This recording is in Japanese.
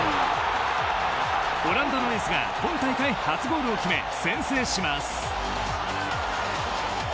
オランダのエースが今大会初ゴールを決め先制します。